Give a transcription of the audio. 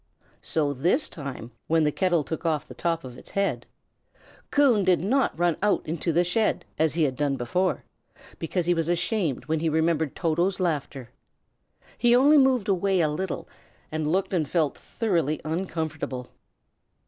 So this time, when the kettle took off the top of its head, Coon did not run out into the shed, as he had done before, because he was ashamed when he remembered Toto's laughter. He only moved away a little, and looked and felt thoroughly uncomfortable.